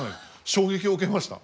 衝撃を受けました。